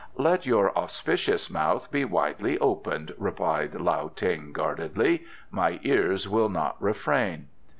"Let your auspicious mouth be widely opened," replied Lao Ting guardedly. "My ears will not refrain."